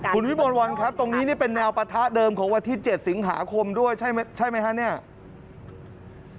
คุณวิบัลวัลครับตรงนี้เป็นแนวปะทะเดิมของวัฒนธี๗สิงหาคมด้วยใช่ไหมครับ